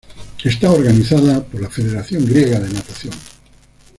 Está organizada por la Federación Griega de natación.